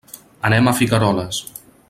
Anem a Figueroles.